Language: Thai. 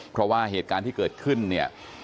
เพราะว่าเหตุการณ์ที่เกิดขึ้นเนี่ย